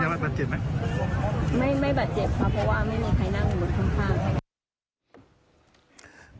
ไม่ไม่บัดเจ็บค่ะเพราะว่าไม่มีใครนั่งอยู่ข้าง